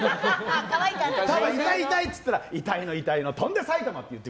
ただ、痛い、痛いって言ったら痛いの痛いの飛んで埼玉って。